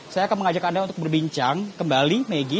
saya akan mengajak anda untuk berbincang kembali maggie